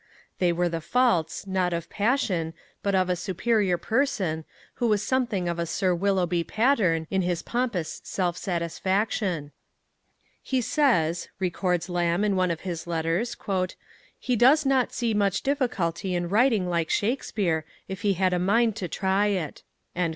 They were the faults, not of passion, but of a superior person, who was something of a Sir Willoughby Patterne in his pompous self satisfaction. "He says," records Lamb in one of his letters, "he does not see much difficulty in writing like Shakespeare, if he had a mind to try it."